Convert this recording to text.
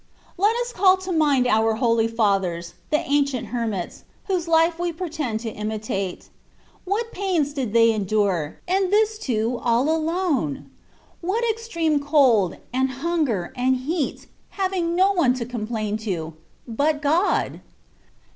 Let us call to mind our holy fathers — the ancient hermits, whose life we pretend to imitate. What pains did they endure, and this too all alone ! What extreme cold, and hunger, and heat, having no one to complain to — but God